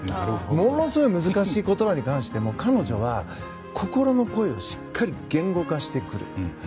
ものすごい難しい言葉に関しても彼女は、心の声をしっかり言語化してくる。